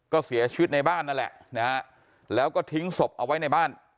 ก็เสียชีวิตในบ้านนั่นแหละนะฮะแล้วก็ทิ้งศพเอาไว้ในบ้าน